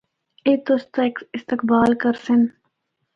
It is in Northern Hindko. اے تُسدا استقبال کرسن۔